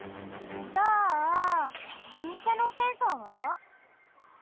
じゃあおみせのセンサーは？